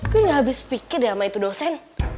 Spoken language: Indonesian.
gue gak habis pikir deh sama itu dosen